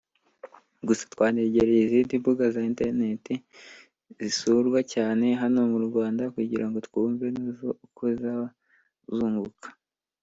Gusa twanegereye izindi mbuga za internet zisurwa cyane hano mu Rwanda kugirango twumwe nazo uko zaba zunguka